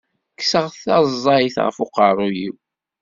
Kkseɣ taẓayt ɣef uqerru-w.